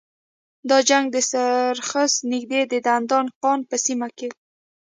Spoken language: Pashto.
دا جنګ د سرخس نږدې د دندان قان په سیمه کې و.